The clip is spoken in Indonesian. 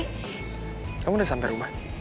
kamu udah sampe rumah